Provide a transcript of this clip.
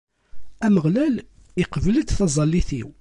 Ameɣlal iqbel-d taẓallit-iw.